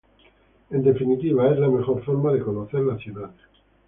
En definitiva, es la mejor forma de conocer la ciudad.